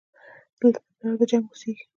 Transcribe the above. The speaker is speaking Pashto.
دلته پلار د جنګ اوسېږي